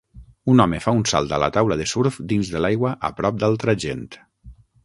Un home fa un salt a la taula de surf dins de l'aigua a prop d'altra gent.